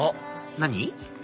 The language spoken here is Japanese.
何？